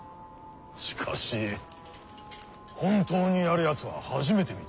しかし本当にやるやつは初めて見た。